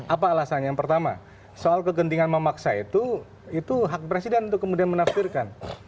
apa alasan yang pertama soal kegentingan memaksa itu itu hak presiden untuk kemudian menafsirkan